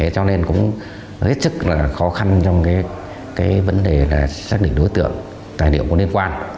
cho nên cũng rất là khó khăn trong cái vấn đề là xác định đối tượng tài liệu của liên quan